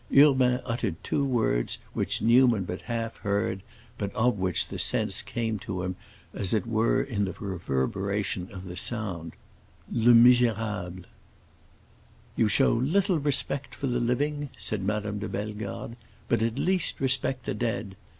Urbain uttered two words which Newman but half heard, but of which the sense came to him as it were in the reverberation of the sound, "Le misérable!" "You show little respect for the living," said Madame de Bellegarde, "but at least respect the dead.